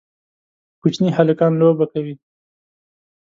کوچني هلکان لوبه کوي